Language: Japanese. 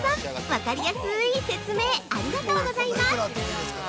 分かりやすい説明ありがとうございます。